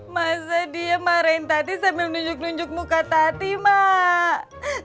masa dia marahin tati sambil nunjuk nunjuk muka tati mak